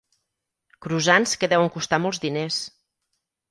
Croissants que deuen costar molts diners.